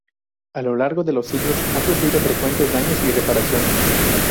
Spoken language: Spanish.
A lo largo de los siglos ha sufrido frecuentes daños y reparaciones.